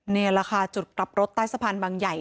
นี่แหละค่ะจุดกลับรถใต้สะพานบางใหญ่